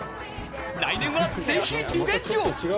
来年は、ぜひリベンジを。